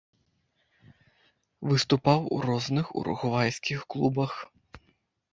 Выступаў у розных уругвайскіх клубах.